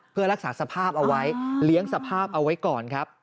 เพื่อรักษาสภาพเอาไว้เลี้ยงสภาพเอาไว้ก่อนครับ